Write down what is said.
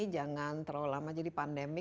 jangan terlalu lama jadi pandemi